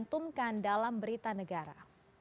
dikantumkan dalam berita negara